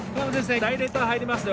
ダイレーター入りますよ・